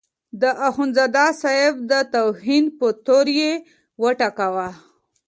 د اخندزاده صاحب د توهین په تور یې وټکاوه.